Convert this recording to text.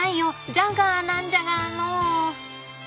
ジャガーなんじゃがのう。